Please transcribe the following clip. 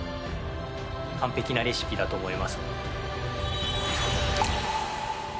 完璧なレシピだと思います。